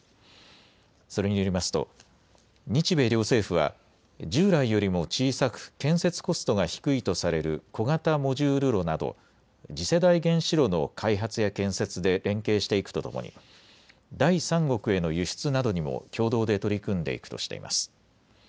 それによりますと日米両政府は従来よりも小さく建設コストが低いとされる小型モジュール炉など次世代原子炉の開発や建設で連携していくとともに第三国への輸出などにも共同で取り組んでいくとしています。